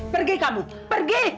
pergi kamu pergi